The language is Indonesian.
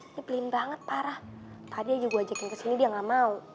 dia beliin banget parah tadi aja gua ajakin kesini dia gak mau